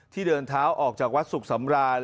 ที่เดินท้าวออกจากวัดศุกร์สำราญ